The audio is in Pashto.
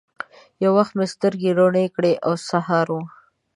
یو وخت مې سترګي روڼې کړې ! سهار و